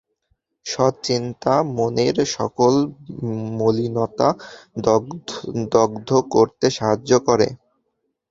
সৎ চিন্তা মনের সকল মলিনতা দগ্ধ করতে সাহায্য করে।